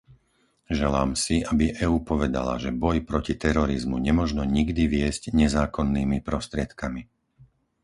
Želám si, aby EÚ povedala, že boj proti terorizmu nemožno nikdy viesť nezákonnými prostriedkami.